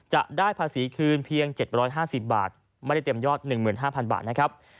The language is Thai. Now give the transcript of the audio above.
จะได้ภาษีคืนเพียง๗๕๐บาทไม่ได้เต็มยอด๑๕๐๐บาทนะครับ